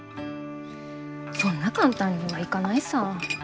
そんな簡単にはいかないさ。